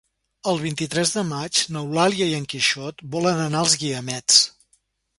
El vint-i-tres de maig n'Eulàlia i en Quixot volen anar als Guiamets.